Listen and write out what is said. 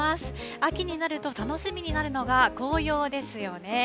秋になると、楽しみになるのが紅葉ですよね。